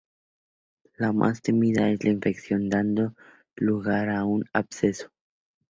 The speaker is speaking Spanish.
La más temida es la infección dando lugar a un absceso.